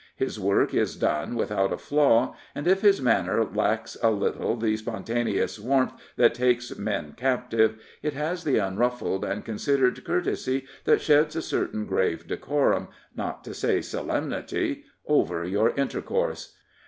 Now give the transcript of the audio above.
His work is done without a flaw, and if his manner lacks a little the spontaneous warmth that takes men captive, it has the unruffled and considered courtesy that sheds a certain grave decorum, not to say solemnity, over your intercourse.